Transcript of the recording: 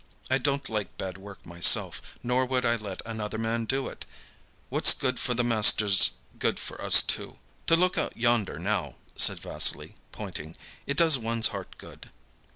I don't like bad work myself, nor would I let another man do it. What's good for the master's good for us too. To look out yonder now," said Vassily, pointing, "it does one's heart good."